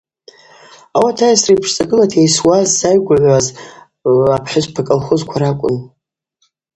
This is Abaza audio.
Ауат айсра йпшцӏагылата йайсуаз зайгвыгъуз апхӏвыскӏалхозква ракӏвын.